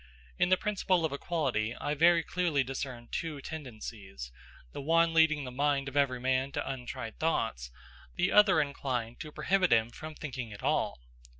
In the principle of equality I very clearly discern two tendencies; the one leading the mind of every man to untried thoughts, the other inclined to prohibit him from thinking at all.